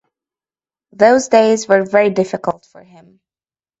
Those days were very difficult for him.